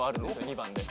２番で。